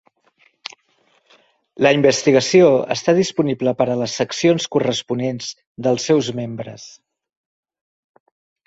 La investigació està disponible per a les seccions corresponents dels seus membres.